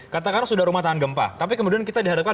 katakanlah sudah rumah tahan gempa tapi kemudian kita dihadapkan